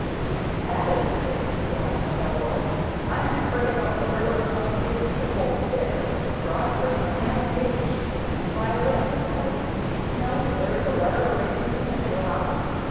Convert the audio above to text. "If that is the case," laughed Peveril, "I am afraid all the girls must give me the cold stare, for I certainly am engaged; and, by the way, Miss Nelly, do you know if there is a letter awaiting me at your house?